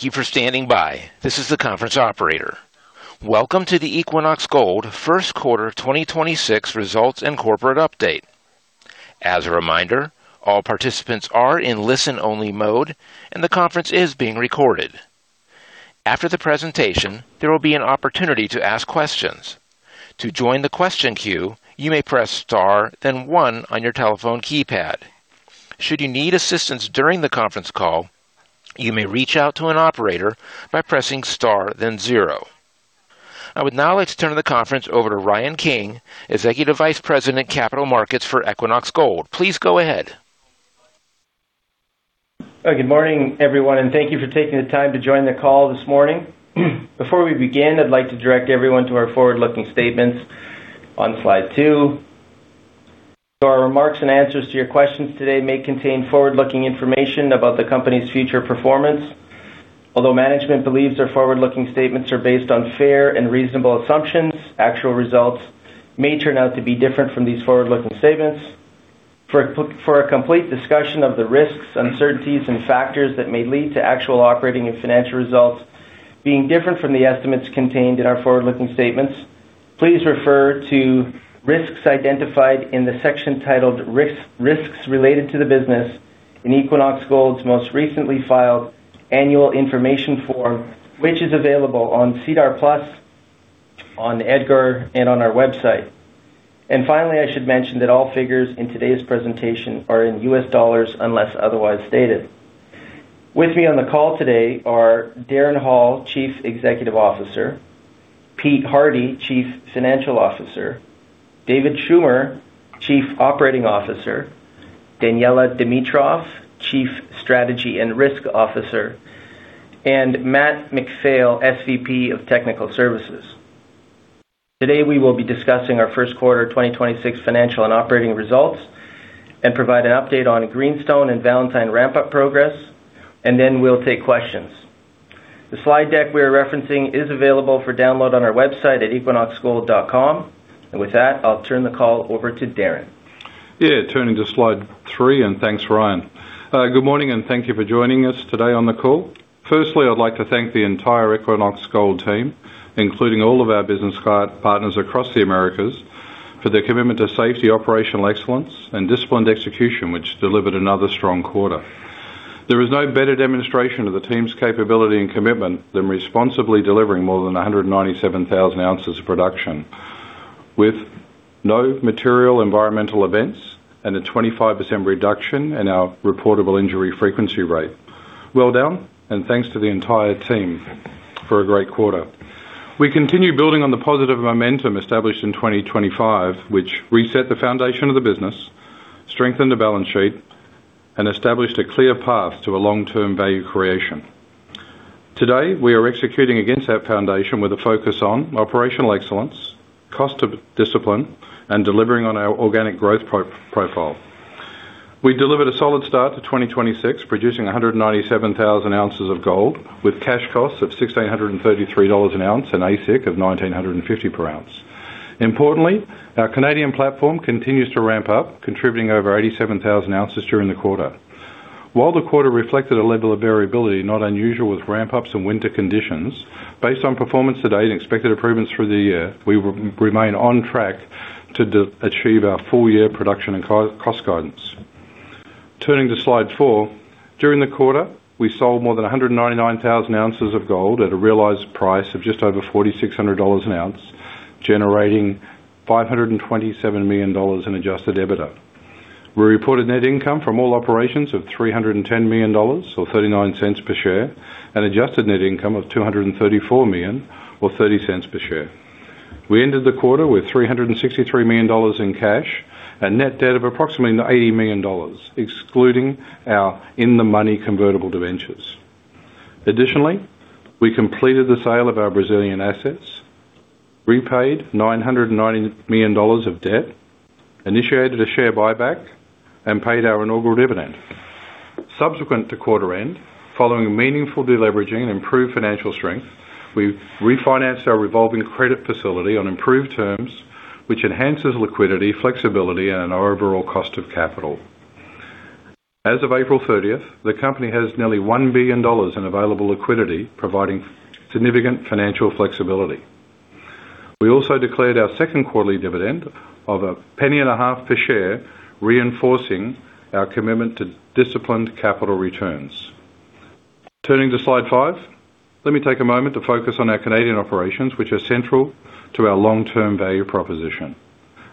Thank you for standing by. This is the conference operator. Welcome to the Equinox Gold first quarter 2026 results and corporate update. As a reminder, all participants are in listen-only mode, and the conference is being recorded. After the presentation, there will be an opportunity to ask questions. To join the question queue, you may press star, then one on your telephone keypad. Should you need assistance during the conference call, you may reach out to an operator by pressing star, then zero. I would now like to turn the conference over to Ryan King, Executive Vice President, Capital Markets for Equinox Gold. Please go ahead. Good morning, everyone, and thank you for taking the time to join the call this morning. Before we begin, I'd like to direct everyone to our forward-looking statements on slide two. Our remarks and answers to your questions today may contain forward-looking information about the company's future performance. Although management believes their forward-looking statements are based on fair and reasonable assumptions, actual results may turn out to be different from these forward-looking statements. For a complete discussion of the risks, uncertainties, and factors that may lead to actual operating and financial results being different from the estimates contained in our forward-looking statements, please refer to risks identified in the section titled Risks Related to the Business in Equinox Gold's most recently filed annual information form, which is available on SEDAR+, on EDGAR, and on our website. Finally, I should mention that all figures in today's presentation are in U.S. dollars, unless otherwise stated. With me on the call today are Darren Hall, Chief Executive Officer, Pete Hardie, Chief Financial Officer, David Schummer, Chief Operating Officer, Daniella Dimitrov, Chief Strategy and Risk Officer, and Matt MacPhail, SVP of Technical Services. Today, we will be discussing our first quarter 2026 financial and operating results and provide an update on Greenstone and Valentine ramp-up progress, and then we'll take questions. The slide deck we're referencing is available for download on our website at equinoxgold.com. With that, I'll turn the call over to Darren. Turning to slide three, thanks, Ryan. Good morning, thank you for joining us today on the call. Firstly, I'd like to thank the entire Equinox Gold team, including all of our business partners across the Americas, for their commitment to safety, operational excellence and disciplined execution, which delivered another strong quarter. There is no better demonstration of the team's capability and commitment than responsibly delivering more than 197,000 oz of production with no material environmental events and a 25% reduction in our reportable injury frequency rate. Well done, thanks to the entire team for a great quarter. We continue building on the positive momentum established in 2025, which reset the foundation of the business, strengthened the balance sheet, and established a clear path to a long-term value creation. Today, we are executing against our foundation with a focus on operational excellence, cost discipline, and delivering on our organic growth profile. We delivered a solid start to 2026, producing 197,000 oz of gold with cash costs of $1,633 an ounce and AISC of $1,950 per ounce. Importantly, our Canadian platform continues to ramp up, contributing over 87,000 oz during the quarter. While the quarter reflected a level of variability, not unusual with ramp-ups and winter conditions, based on performance to date and expected improvements through the year, we remain on track to achieve our full-year production and cost guidance. Turning to slide four. During the quarter, we sold more than 199,000 oz of gold at a realized price of just over $4,600 an ounce, generating $527 million in adjusted EBITDA. We reported net income from all operations of $310 million or $0.39 per share, and adjusted net income of $234 million or $0.30 per share. We ended the quarter with $363 million in cash and net debt of approximately $80 million, excluding our in-the-money convertible debentures. Additionally, we completed the sale of our Brazilian assets, repaid $990 million of debt, initiated a share buyback, and paid our inaugural dividend. Subsequent to quarter end, following meaningful deleveraging and improved financial strength, we refinanced our revolving credit facility on improved terms, which enhances liquidity, flexibility, and our overall cost of capital. As of April 30th, the company has nearly $1 billion in available liquidity, providing significant financial flexibility. We also declared our second quarterly dividend of a $0.015 per share, reinforcing our commitment to disciplined capital returns. Turning to slide five. Let me take a moment to focus on our Canadian operations, which are central to our long-term value proposition.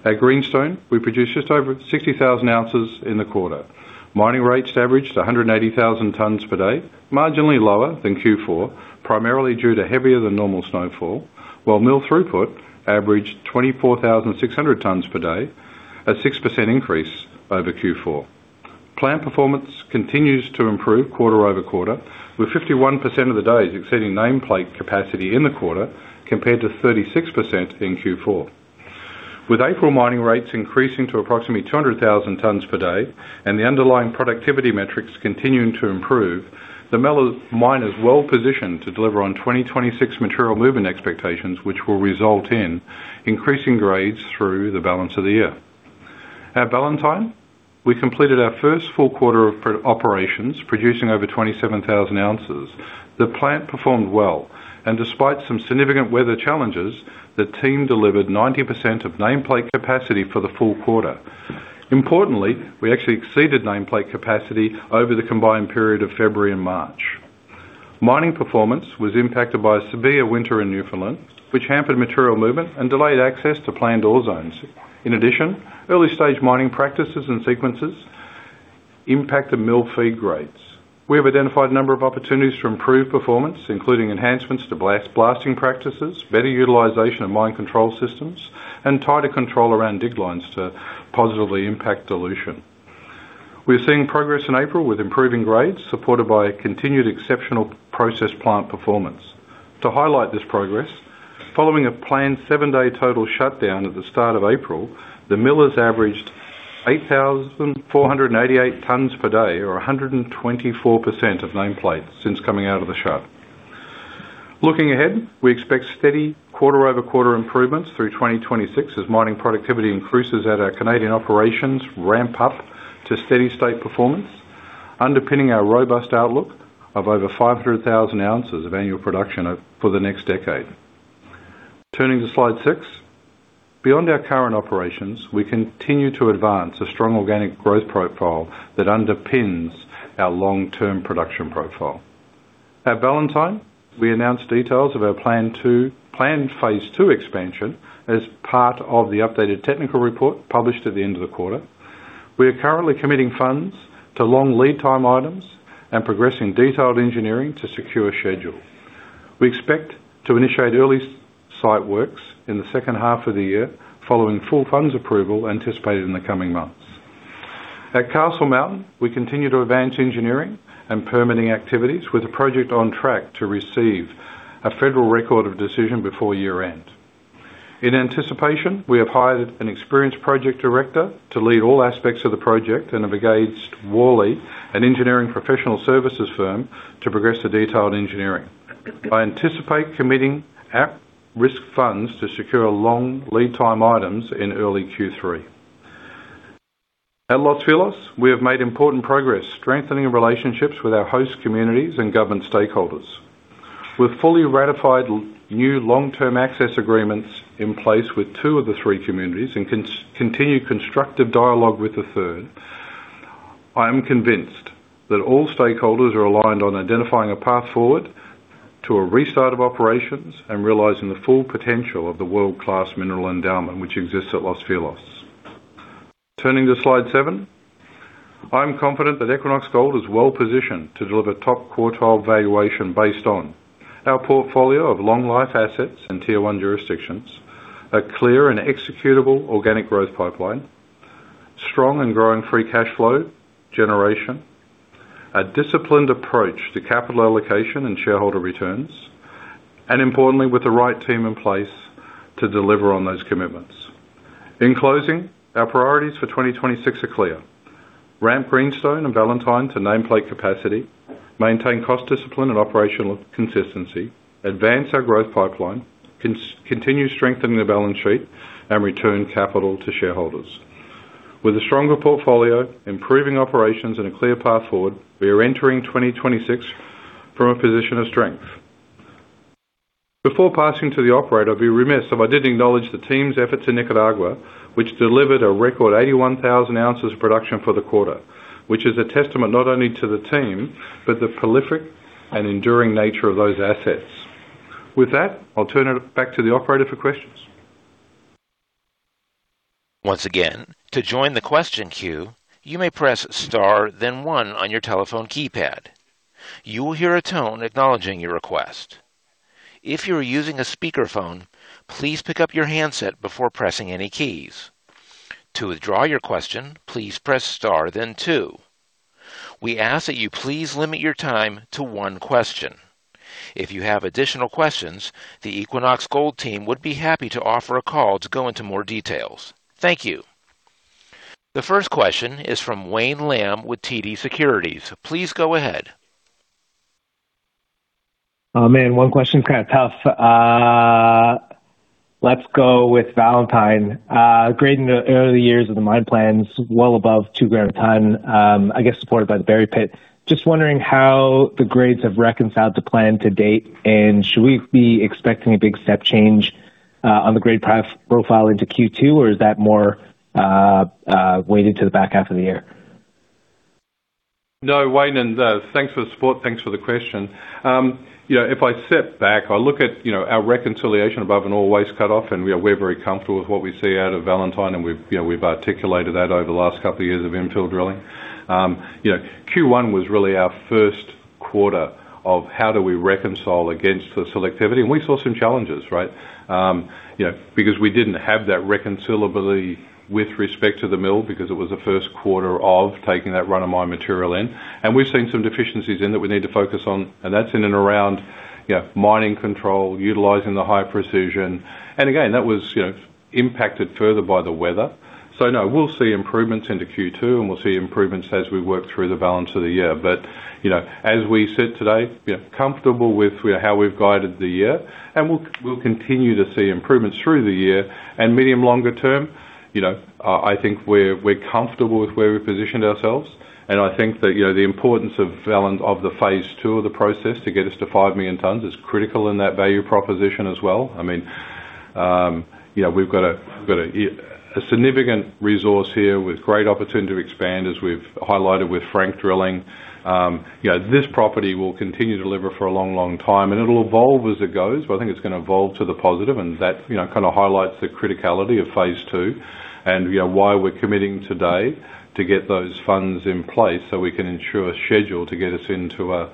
At Greenstone, we produced just over 60,000 oz in the quarter. Mining rates averaged 180,000 tons per day, marginally lower than Q4, primarily due to heavier than normal snowfall, while mill throughput averaged 24,600 tons per day, a 6% increase over Q4. Plant performance continues to improve quarter-over-quarter, with 51% of the days exceeding nameplate capacity in the quarter, compared to 36% in Q4. With April mining rates increasing to approximately 200,000 tons per day and the underlying productivity metrics continuing to improve, the [mella] mine is well positioned to deliver on 2026 material movement expectations, which will result in increasing grades through the balance of the year. At Valentine, we completed our first full quarter of operations, producing over 27,000 oz. The plant performed well. Despite some significant weather challenges, the team delivered 90% of nameplate capacity for the full quarter. Importantly, we actually exceeded nameplate capacity over the combined period of February and March. Mining performance was impacted by a severe winter in Newfoundland, which hampered material movement and delayed access to planned ore zones. In addition, early-stage mining practices and sequences impacted mill feed grades. We have identified a number of opportunities to improve performance, including enhancements to blasting practices, better utilization of mine control systems, and tighter control around dig lines to positively impact dilution. We are seeing progress in April with improving grades, supported by a continued exceptional process plant performance. To highlight this progress, following a planned seven-day total shutdown at the start of April, the mill has averaged 8,488 tons per day or 124% of nameplate since coming out of the shut. Looking ahead, we expect steady quarter-over-quarter improvements through 2026 as mining productivity increases at our Canadian operations ramp up to steady state performance, underpinning our robust outlook of over 500,000 oz of annual production for the next decade. Turning to slide six. Beyond our current operations, we continue to advance a strong organic growth profile that underpins our long-term production profile. At Valentine, we announced details of our plan two, planned Phase 2 expansion as part of the updated technical report published at the end of the quarter. We are currently committing funds to long lead time items and progressing detailed engineering to secure schedule. We expect to initiate early site works in the second half of the year, following full funds approval anticipated in the coming months. At Castle Mountain, we continue to advance engineering and permitting activities with the project on track to receive a Federal Record of Decision before year-end. In anticipation, we have hired an experienced project director to lead all aspects of the project and have engaged Worley, an engineering professional services firm, to progress the detailed engineering. I anticipate committing at-risk funds to secure long lead time items in early Q3. At Los Filos, we have made important progress strengthening relationships with our host communities and government stakeholders. With fully ratified new long-term access agreements in place with two of the three communities and continued constructive dialogue with the third, I am convinced that all stakeholders are aligned on identifying a path forward to a restart of operations and realizing the full potential of the world-class mineral endowment which exists at Los Filos. Turning to slide seven. I'm confident that Equinox Gold is well-positioned to deliver top quartile valuation based on our portfolio of long-life assets and Tier 1 jurisdictions, a clear and executable organic growth pipeline, strong and growing free cash flow generation, a disciplined approach to capital allocation and shareholder returns, and importantly, with the right team in place to deliver on those commitments. In closing, our priorities for 2026 are clear. Ramp Greenstone and Valentine to nameplate capacity, maintain cost discipline and operational consistency, advance our growth pipeline, continue strengthening the balance sheet, and return capital to shareholders. With a stronger portfolio, improving operations, and a clear path forward, we are entering 2026 from a position of strength. Before passing to the operator, I'd be remiss if I didn't acknowledge the team's efforts in Nicaragua, which delivered a record 81,000 oz of production for the quarter, which is a testament not only to the team, but the prolific and enduring nature of those assets. With that, I'll turn it back to the operator for questions. Once again, to join the question queue, you may press star then one on your telephone keypad. You will hear a tone acknowledging your request. If you are using a speakerphone, please pick up your handset before pressing any keys. To withdraw your question, please press star then two. We ask that you please limit your time to one question. If you have additional questions, the Equinox Gold team would be happy to offer a call to go into more details. Thank you. The first question is from Wayne Lam with TD Securities. Please go ahead. Oh, man, one question's kinda tough. Let's go with Valentine. Grade in the early years of the mine plans well above 2 g ton, I guess supported by the Berry Pit. Just wondering how the grades have reconciled the plan to date, and should we be expecting a big step change on the grade profile into Q2, or is that more weighted to the back half of the year? No, Wayne, and thanks for the support. Thanks for the question. You know, if I sit back, I look at, you know, our reconciliation above and all waste cutoff, and we are, we're very comfortable with what we see out of Valentine, and we've, you know, we've articulated that over the last couple of years of infill drilling. You know, Q1 was really our first quarter of how do we reconcile against the selectivity, and we saw some challenges, right? You know, because we didn't have that reconcilably with respect to the mill because it was the first quarter of taking that run-of-mine material in. We've seen some deficiencies in that we need to focus on, and that's in and around mining control, utilizing the high precision. Again, that was, you know, impacted further by the weather. We'll see improvements into Q2 and we'll see improvements as we work through the balance of the year. As we said today, we are comfortable with how we've guided the year, and we'll continue to see improvements through the year. I think we're comfortable with where we've positioned ourselves. I think that the importance of the Phase 2 of the process to get us to 5 million tons is critical in that value proposition as well. We've got a significant resource here with great opportunity to expand, as we've highlighted with flank drilling. This property will continue to deliver for a long, long time, and it'll evolve as it goes. I think it's going to evolve to the positive, and that, you know, kinda highlights the criticality of Phase 2 and, you know, why we're committing today to get those funds in place so we can ensure a schedule to get us into a,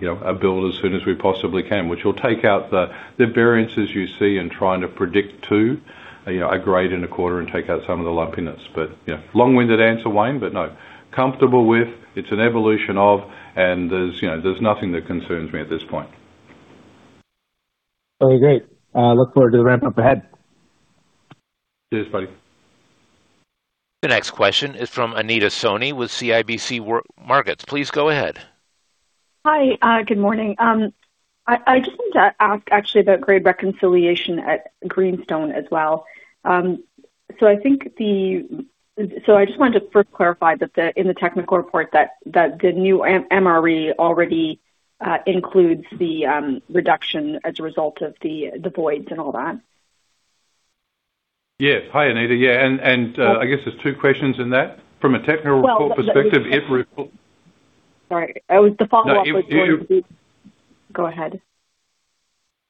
you know, a build as soon as we possibly can, which will take out the variances you see in trying to predict two, you know, a grade in a quarter and take out some of the lumpiness. You know, long-winded answer, Wayne, but no. Comfortable with, it's an evolution of, and there's, you know, there's nothing that concerns me at this point. Very great. Look forward to the ramp-up ahead. Cheers, buddy. The next question is from Anita Soni with CIBC World Markets. Please go ahead. Hi. Good morning. I just wanted to ask actually about grade reconciliation at Greenstone as well. I just wanted to first clarify that in the technical report that the new MRE already includes the reduction as a result of the voids and all that. Yes. Hi, Anita. Yeah, and Well- I guess there's two questions in that. From a technical report perspective. Well. It refle- Sorry. The follow-up was going to be. No. Go ahead.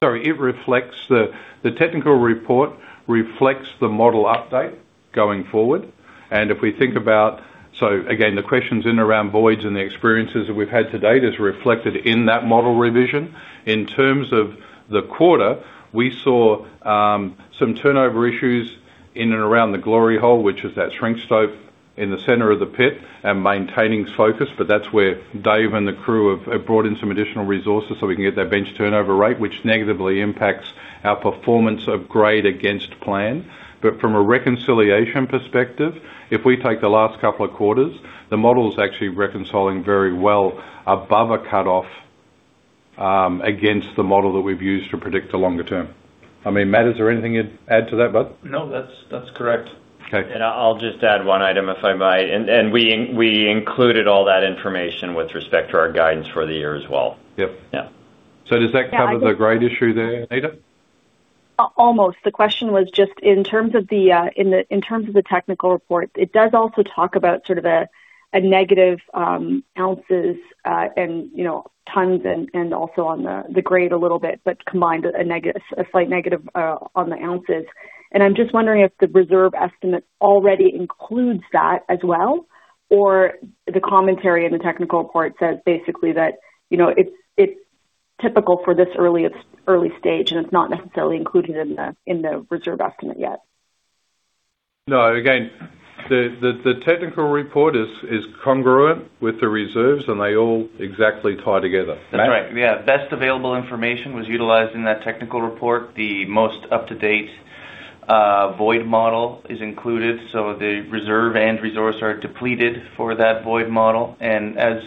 Sorry. It reflects the technical report reflects the model update going forward. If we think about again, the questions in and around voids and the experiences that we've had to date is reflected in that model revision. In terms of the quarter, we saw some turnover issues in and around the glory hole, which is that shrink stope in the center of the pit and maintaining focus, but that's where Dave and the crew have brought in some additional resources so we can get that bench turnover rate, which negatively impacts our performance of grade against plan. From a reconciliation perspective, if we take the last couple of quarters, the model is actually reconciling very well above a cutoff against the model that we've used to predict the longer term. I mean, Matt, is there anything you'd add to that, bud? No, that's correct. Okay. I'll just add one item if I might. We included all that information with respect to our guidance for the year as well. Yep. Yeah. Does that cover the grade issue there, Anita? Almost. The question was just in terms of the technical report, it does also talk about sort of a negative ounces, and, you know, tons and also on the grade a little bit, but combined a slight negative on the ounces. I'm just wondering if the reserve estimate already includes that as well, or the commentary in the technical report says basically that, you know, it's typical for this early stage, and it's not necessarily included in the reserve estimate yet. No, again, the technical report is congruent with the reserves. They all exactly tie together. Matt? That's right. Yeah. Best available information was utilized in that technical report. The most up-to-date void model is included, so the reserve and resource are depleted for that void model. As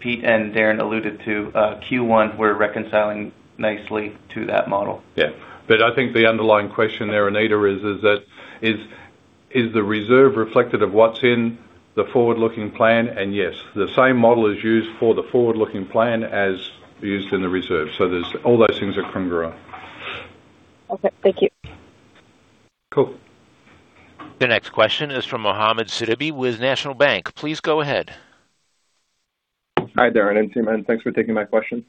Pete and Darren alluded to, Q1, we're reconciling nicely to that model. I think the underlying question there, Anita, is the reserve reflective of what's in the forward-looking plan? Yes, the same model is used for the forward-looking plan as used in the reserve. There's all those things are congruent. Okay. Thank you. Cool. The next question is from Mohamed Sidibé with National Bank. Please go ahead. Hi, Darren and team, thanks for taking my question.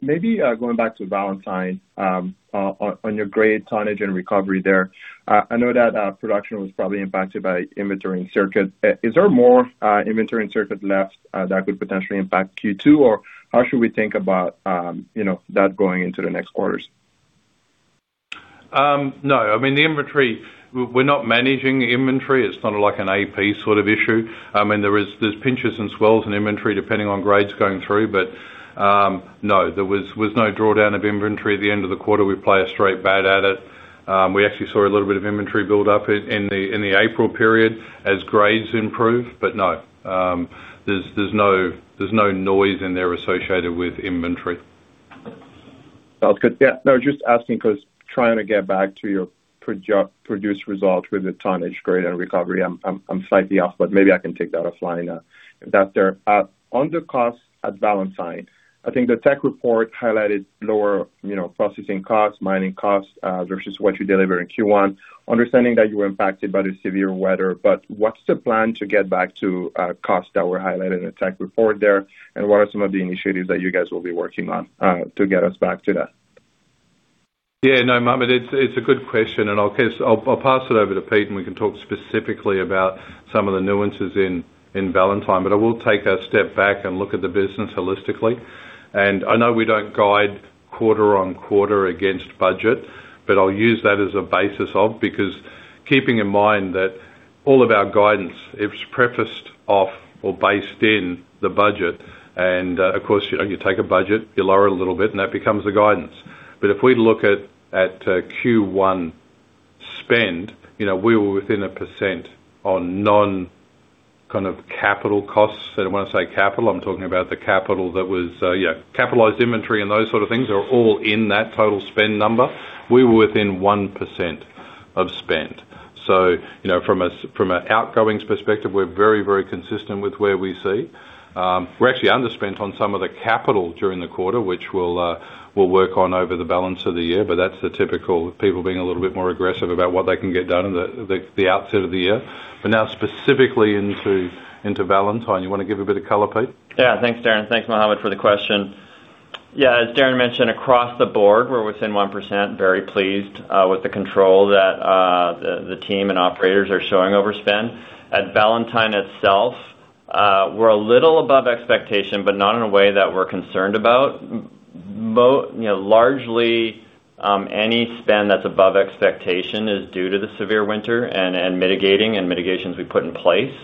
Maybe, going back to Valentine, on your grade tonnage and recovery there. I know that production was probably impacted by inventory in circuit. Is there more inventory in circuit left that could potentially impact Q2? Or how should we think about, you know, that going into the next quarters? No. I mean, the inventory, we're not managing inventory. It's not like an AP sort of issue. I mean, there is, there's pinches and swells in inventory depending on grades going through. No, there was no drawdown of inventory at the end of the quarter. We play a straight bat at it. We actually saw a little bit of inventory build up in the April period as grades improved. No, there's no noise in there associated with inventory. Sounds good. Yeah. Just asking 'cause trying to get back to your produced results with the tonnage grade and recovery. I'm slightly off, but maybe I can take that offline if that's there. On the cost at Valentine, I think the tech report highlighted lower, you know, processing costs, mining costs versus what you deliver in Q1. Understanding that you were impacted by the severe weather, what's the plan to get back to costs that were highlighted in the tech report there? What are some of the initiatives that you guys will be working on to get us back to that? No, Mohamed, it's a good question, and I'll pass it over to Pete, and we can talk specifically about some of the nuances in Valentine. I will take a step back and look at the business holistically. I know we don't guide quarter-on-quarter against budget, but I'll use that as a basis of, keeping in mind that all of our guidance, it's prefaced off or based in the budget. Of course, you know, you take a budget, you lower it a little bit, and that becomes the guidance. If we look at Q1 spend, you know, we were within 1% on non kind of capital costs. When I say capital, I'm talking about the capital that was capitalized inventory and those sort of things are all in that total spend number. We were within 1% of spend. You know, from an outgoings perspective, we're very, very consistent with where we see. We're actually underspent on some of the capital during the quarter, which we'll work on over the balance of the year, but that's the typical people being a little bit more aggressive about what they can get done at the outset of the year. Now specifically into Valentine. You wanna give a bit of color, Pete? Yeah. Thanks, Darren. Thanks, Mohamed, for the question. Yeah, as Darren mentioned, across the board, we're within 1%. Very pleased with the control that the team and operators are showing over spend. At Valentine itself, we're a little above expectation, not in a way that we're concerned about. You know, largely, any spend that's above expectation is due to the severe winter and mitigating and mitigations we put in place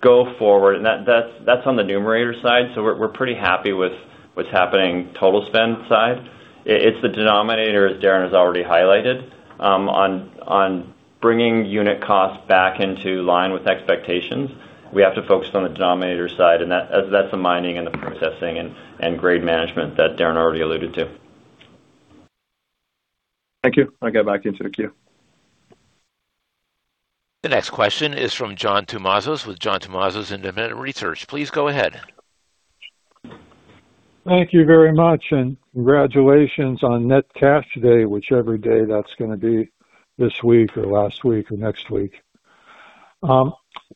go forward. That's on the numerator side, we're pretty happy with what's happening total spend side. It's the denominator, as Darren has already highlighted, on bringing unit costs back into line with expectations. We have to focus on the denominator side, that's the mining and the processing and grade management that Darren already alluded to. Thank you. I'll get back into the queue. The next question is from John Tumazos with John Tumazos Independent Research. Please go ahead. Thank you very much, and congratulations on net cash day, whichever day that's gonna be this week or last week or next week.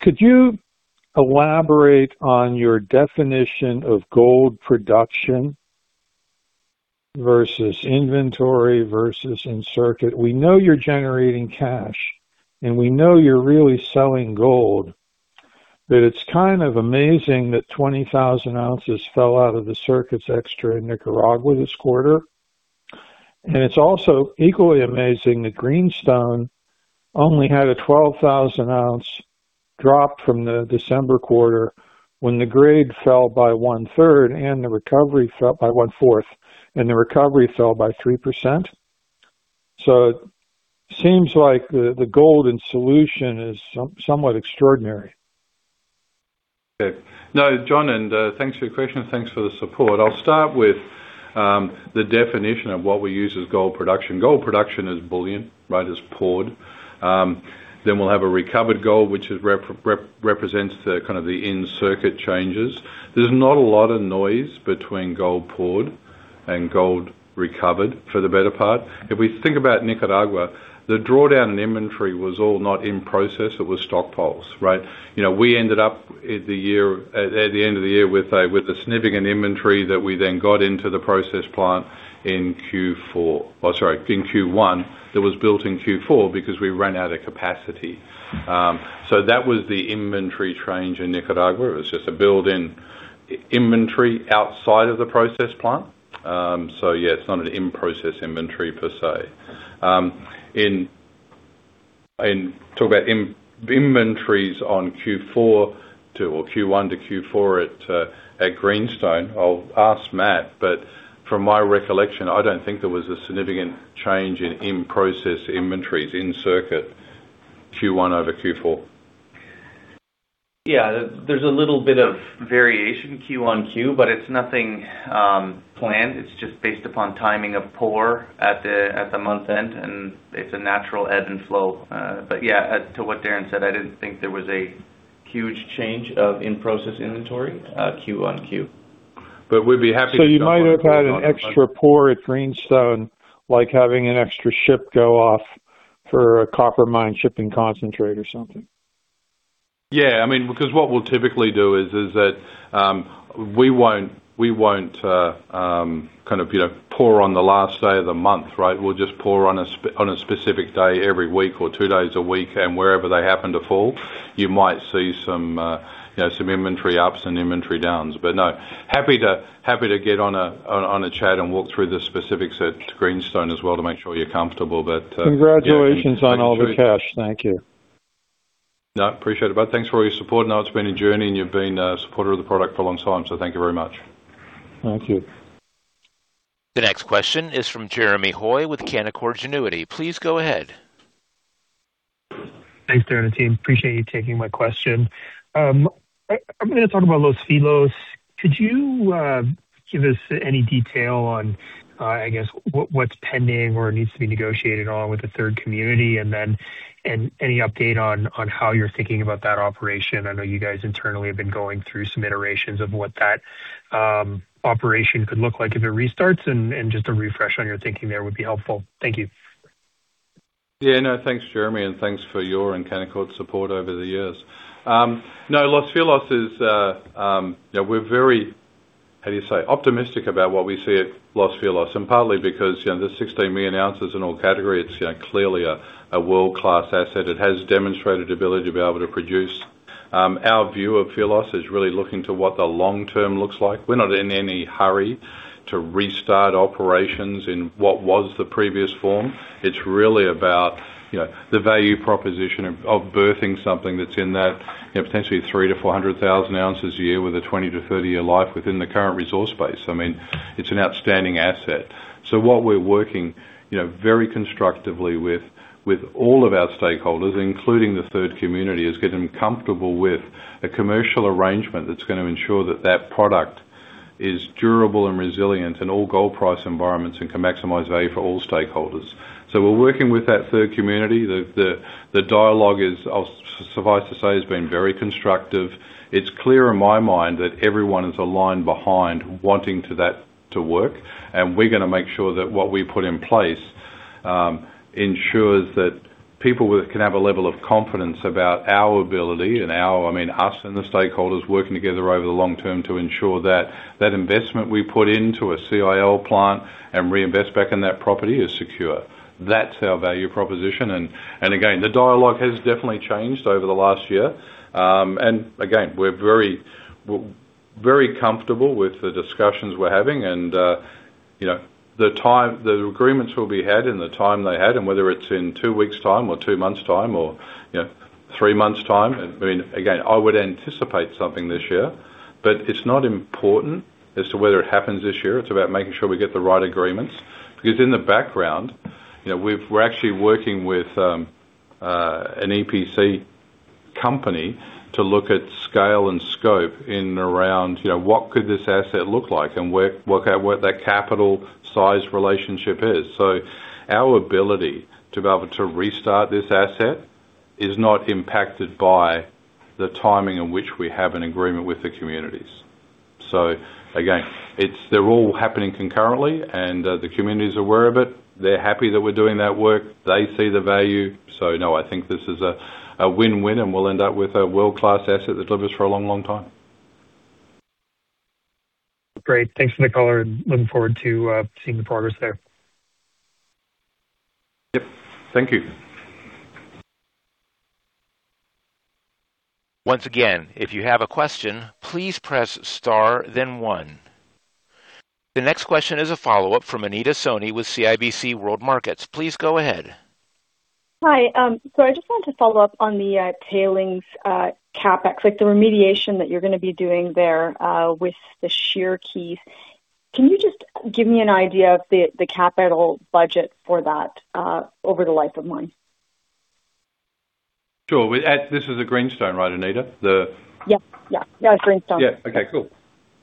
Could you elaborate on your definition of gold production versus inventory versus in-circuit? We know you're generating cash, and we know you're really selling gold, but it's kind of amazing that 20,000 oz fell out of the circuit's extra in Nicaragua this quarter. It's also equally amazing that Greenstone only had a 12,000 oz drop from the December quarter when the grade fell by 1/3 and the recovery fell by 1/4, and the recovery fell by 3%. It seems like the gold in solution is somewhat extraordinary. Okay. No, John, thanks for your question. Thanks for the support. I'll start with the definition of what we use as gold production. Gold production is bullion, right? It's poured. We'll have a recovered gold, which represents the kind of the in-circuit changes. There's not a lot of noise between gold poured and gold recovered for the better part. If we think about Nicaragua, the drawdown in inventory was all not in process. It was stockpiles, right? You know, we ended up at the end of the year with a significant inventory that we then got into the process plant in Q4. Oh, sorry, in Q1, that was built in Q4 because we ran out of capacity. That was the inventory change in Nicaragua. It was just a build in inventory outside of the process plant. Yeah, it's not an in-process inventory per se. Talk about inventories on Q4 to, or Q1 to Q4 at Greenstone. I'll ask Matt, from my recollection, I don't think there was a significant change in in-process inventories in-circuit Q1 over Q4. Yeah. There's a little bit of variation Q-on-Q, but it's nothing planned. It's just based upon timing of pour at the month end, and it's a natural ebb and flow. Yeah, as to what Darren said, I didn't think there was a huge change of in-process inventory Q-on-Q. But we'd be happy to- You might have had an extra pour at Greenstone, like having an extra ship go off for a copper mine shipping concentrate or something. Yeah. I mean, because what we'll typically do is that, we won't, we won't, kind of, you know, pour on the last day of the month, right? We'll just pour on a specific day every week or two days a week. Wherever they happen to fall, you might see some, you know, some inventory ups and inventory downs. No, happy to, happy to get on a, on a chat and walk through the specifics at Greenstone as well to make sure you're comfortable. Congratulations on all the cash. Thank you. No, appreciate it, bud. Thanks for all your support. I know it's been a journey, and you've been a supporter of the product for a long time, so thank you very much. Thank you. The next question is from Jeremy Hoy with Canaccord Genuity. Please go ahead. Thanks, Darren and team. Appreciate you taking my question. I'm gonna talk about Los Filos. Could you give us any detail on, I guess what's pending or needs to be negotiated on with the third community? Any update on how you're thinking about that operation. I know you guys internally have been going through some iterations of what that operation could look like if it restarts, and just a refresh on your thinking there would be helpful. Thank you. Thanks, Jeremy, and thanks for your and Canaccord's support over the years. Los Filos is, you know, we're very, how do you say, optimistic about what we see at Los Filos, partly because, you know, there's 16 million ounces in all category. It's, you know, clearly a world-class asset. It has demonstrated ability to be able to produce. Our view of Filos is really looking to what the long term looks like. We're not in any hurry to restart operations in what was the previous form. It's really about, you know, the value proposition of birthing something that's in that, you know, potentially 300,000 oz-400,000 oz a year with a 20 year-30 year life within the current resource base. I mean, it's an outstanding asset. What we're working, you know, very constructively with all of our stakeholders, including the third community, is getting comfortable with a commercial arrangement that's gonna ensure that that product is durable and resilient in all gold price environments and can maximize value for all stakeholders. We're working with that third community. The dialogue is, suffice to say, has been very constructive. It's clear in my mind that everyone is aligned behind wanting that to work, and we're gonna make sure that what we put in place ensures that people can have a level of confidence about our ability and our, I mean, us and the stakeholders working together over the long term to ensure that that investment we put into a CIL plant and reinvest back in that property is secure. That's our value proposition. Again, the dialogue has definitely changed over the last year. Again, we're very, very comfortable with the discussions we're having, you know, the agreements will be had and the time they had and whether it's in two weeks time or two months time or, you know, three months time. I mean, again, I would anticipate something this year, it's not important as to whether it happens this year. It's about making sure we get the right agreements. In the background, you know, we're actually working with an EPC company to look at scale and scope in around, you know, what could this asset look like and what that capital size relationship is. Our ability to be able to restart this asset is not impacted by the timing in which we have an agreement with the communities. Again, they're all happening concurrently, and the communities are aware of it. They're happy that we're doing that work. They see the value. No, I think this is a win-win, and we'll end up with a world-class asset that delivers for a long, long time. Great. Thanks. Looking forward to seeing the progress there. Yep. Thank you. Once again, if you have a question, please press star then one. The next question is a follow-up from Anita Soni with CIBC World Markets. Please go ahead. Hi. I just wanted to follow up on the tailings CapEx, like the remediation that you're gonna be doing there with the shear keys. Can you just give me an idea of the capital budget for that over the life of mine? Sure. This is the Greenstone, right, Anita? Yeah. Yeah. No, Greenstone. Yeah. Okay, cool.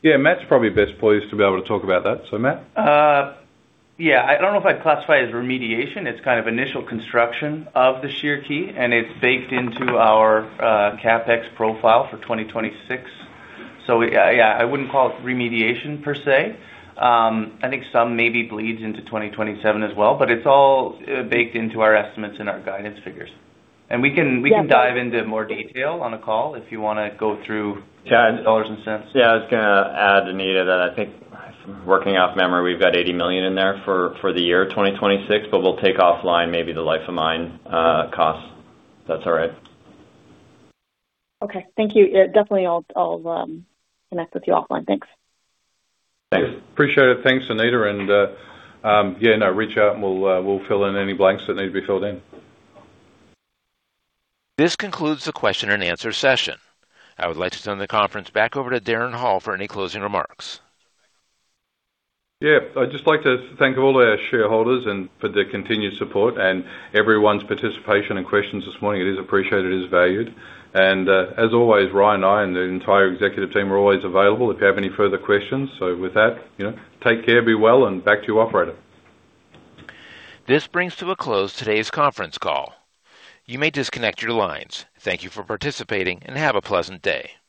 Yeah, Matt's probably best poised to be able to talk about that. So Matt? Yeah. I don't know if I'd classify it as remediation. It's kind of initial construction of the shear key, and it's baked into our CapEx profile for 2026. Yeah, I wouldn't call it remediation per se. I think some maybe bleeds into 2027 as well, it's all baked into our estimates and our guidance figures. Yeah. We can dive into more detail on the call if you wanna go through. Yeah. Dollars and cents. Yeah. I was gonna add, Anita, that I think working off memory, we've got $80 million in there for the year 2026, but we'll take offline maybe the life of mine costs, if that's all right. Okay. Thank you. Yeah, definitely I'll connect with you offline. Thanks. Thanks. Appreciate it. Thanks, Anita. Yeah, no, reach out and we'll fill in any blanks that need to be filled in. This concludes the question-and-answer session. I would like to turn the conference back over to Darren Hall for any closing remarks. Yeah. I'd just like to thank all our shareholders and for their continued support and everyone's participation and questions this morning. It is appreciated. It is valued. As always, Ryan and I and the entire executive team are always available if you have any further questions. With that, you know, take care, be well, and back to you, operator. This brings to a close today's conference call. You may disconnect your lines. Thank you for participating, and have a pleasant day.